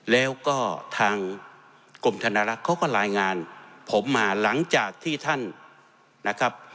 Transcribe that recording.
แล้วก็ทางกรมธนรักษ์เขาก็รายงานผมมาหลังจากที่ท่านนะครับ